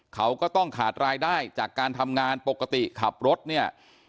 เขาก็ต้องขาดรายได้จากการทำงานปกติขับรถเนี่ย